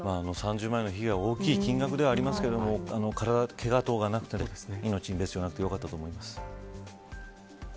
３０万円の被害は大きい金額ではありますがけがとがなくて命に別条なくてよかったと思います。